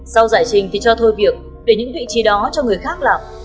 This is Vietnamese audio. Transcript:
sau giải trình thì cho thôi việc để những vị trí đó cho người khác làm